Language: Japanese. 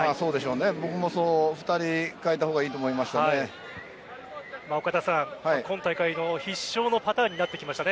僕も２人代えたほうがいいと思いました。